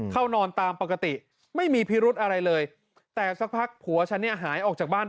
เข้านอนตามปกติไม่มีพิรุธอะไรเลยแต่สักพักผัวฉันเนี่ยหายออกจากบ้าน